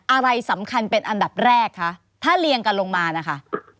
อะไรสำคัญเป็นอันดับแรกคะถ้าเรียงกันลงมานะคะ